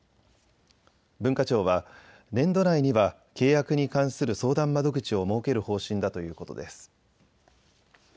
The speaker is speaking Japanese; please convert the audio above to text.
文化庁は年度内には契約に関する相談窓口を設ける方針だということです。